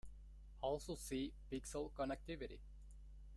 Also see pixel connectivity.